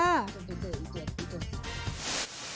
แบบจะไปเจออีเดีย